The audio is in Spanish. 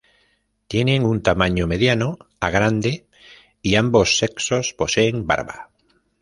Tienen un tamaño mediano a grande y ambos sexos poseen barba.